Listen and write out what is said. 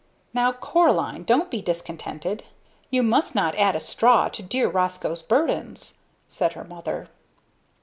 "Now, Cora, don't be discontented! You must not add a straw to dear Roscoe's burdens," said her mother.